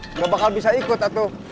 nggak bakal bisa ikut atau